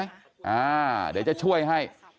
เดี๋ยวจะช่วยให้